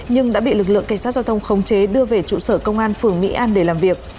nhưng đã bị lực lượng cảnh sát giao thông khống chế đưa về trụ sở công an phường mỹ an để làm việc